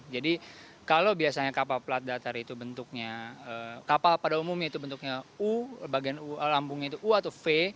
jadi kalau biasanya kapal plat datar itu bentuknya kapal pada umumnya itu bentuknya u bagian lambungnya itu u atau v